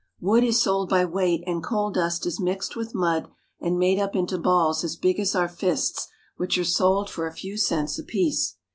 Wood is sold by weight, and coal dust is mixed with mud and made up into balls as big as our fists which are sold for a few cents apiece.